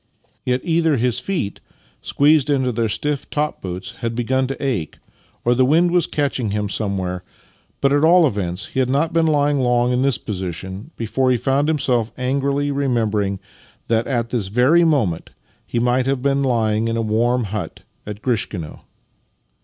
Yet, either his 46 Master and Man feet, squeezed into their stiff top boots, had begun to ache, or the wind was catching him somewhere, but at all events he had not been lying long in this position before he found himself angrily remember ing that at this very moment he might have been lying in a warm hut at GrLshkino.